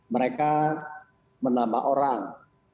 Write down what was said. mereka menambah orang